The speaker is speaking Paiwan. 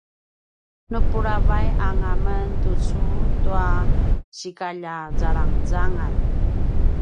napulavay anga men tucu tua sikalja zalangzangan